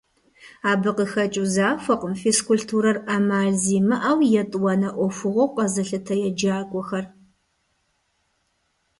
Абы къыхэкӀыу захуэкъым физкультурэр Ӏэмал зимыӀэу, етӀуанэ Ӏуэхугъуэу къэзылъытэ еджакӀуэхэр.